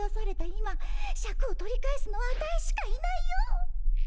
今シャクを取り返すのはアタイしかいないよ。